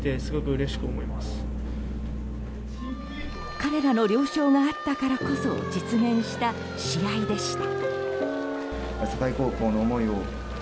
彼らの了承があったからこそ実現した試合でした。